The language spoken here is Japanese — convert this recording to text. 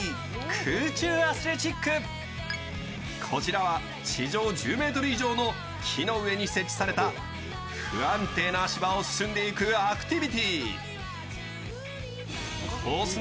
こちらは地上１０ｍ以上の木の上に設置された不安定な足場を進んでいくアクティビティー。